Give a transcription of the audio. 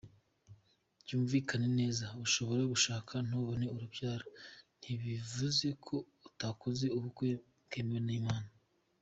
Byumvikane neza ushobora gushaka ntubone urubyaro ntibivuze ko utakoze ubukwe bwemewe n’Imana.